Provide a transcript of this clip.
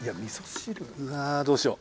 うわどうしよう。